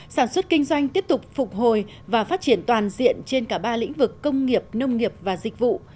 sản xuất kinh doanh tiếp tục phục hồi và phát triển toàn diện trên cả ba lĩnh vực công nghiệp nông nghiệp và dịch vụ